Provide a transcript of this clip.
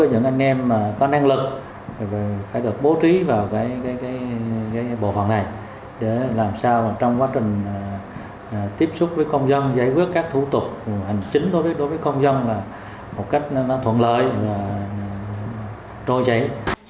để làm sao trong quá trình tiếp xúc với công dân giải quyết các thủ tục hành chính đối với công dân là một cách thuận lợi trôi chảy